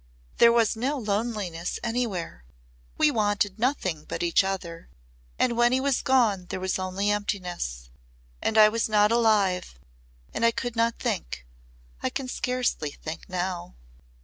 There was no loneliness anywhere. We wanted nothing but each other. And when he was gone there was only emptiness! And I was not alive and I could not think. I can scarcely think now."